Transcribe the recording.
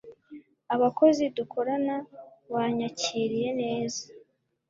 Abakozi dukorana banyakiriye neza